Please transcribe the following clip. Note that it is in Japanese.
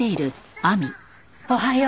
おはよう。